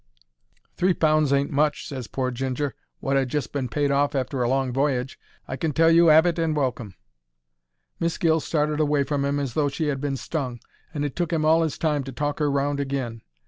"Three pounds ain't much," ses pore Ginger, wot 'ad just been paid off arter a long v'y'ge. "I can let you 'ave it and welcome." Miss Gill started away from 'im as though she 'ad been stung, and it took 'im all his time to talk 'er round agin.